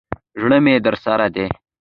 زړه مي درسره دی.